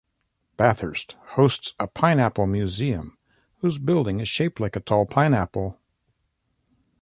Bathurst hosts a pineapple museum whose building is shaped like a tall pineapple.